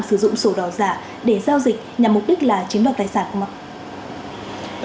sử dụng sổ đỏ giả để giao dịch nhằm mục đích là chiếm đoạt tài sản không ạ